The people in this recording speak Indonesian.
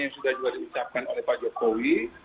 yang sudah juga diucapkan oleh pak jokowi